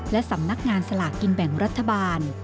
และสำนักงานสลากกินแบ่งรัฐบาล